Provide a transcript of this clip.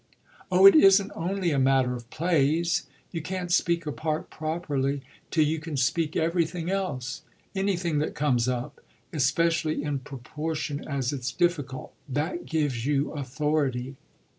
"Oh it isn't only a matter of plays! You can't speak a part properly till you can speak everything else, anything that comes up, especially in proportion as it's difficult. That gives you authority."